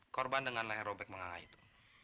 korban dengan leher robek mengangah itu